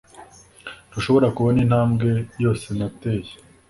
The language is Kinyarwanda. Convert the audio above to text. Ntushobora kubona Intambwe yose nateye